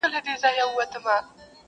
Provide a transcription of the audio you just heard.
ستا خو غاړه په موږ ټولو کي ده لنډه؛